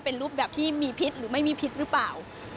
เป็นรูปแบบที่มีพิษหรือไม่มีพิษหรือเปล่า